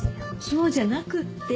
そうじゃなくって。